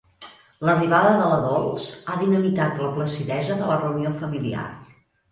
L'arribada de la Dols ha dinamitat la placidesa de la reunió familiar.